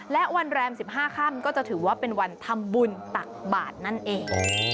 และวันแรม๑๕ค่ำก็จะถือว่าเป็นวันทำบุญตักบาทนั่นเอง